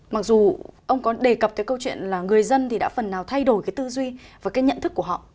mặc dù ông có đề cập cái câu chuyện là người dân thì đã phần nào thay đổi cái tư duy và cái nhận thức của họ